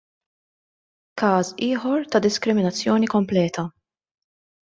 Każ ieħor ta' diskriminazzjoni kompleta.